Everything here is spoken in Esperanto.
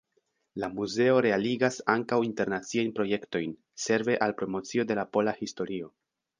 La muzeo realigas ankaŭ internaciajn projektojn, serve al promocio de la pola historio.